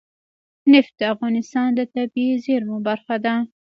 نفت د افغانستان د طبیعي زیرمو برخه ده.